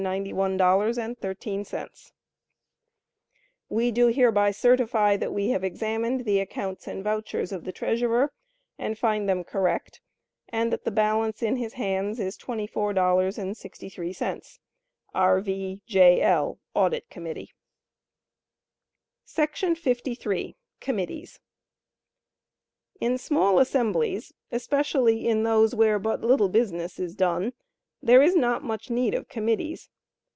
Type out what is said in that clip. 875 00 —————— $991 13 $991 13 We do hereby certify that we have examined the accounts and vouchers of the treasurer, and find them correct; and that the balance in his hands is twenty four dollars and sixty three cents. R. V., J. L., Audit Comm. 53. Committees. In small assemblies, especially in those where but little business is done, there is not much need of committees.